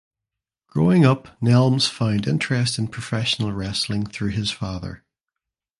Growing up Nelms found interest in professional wrestling through his father.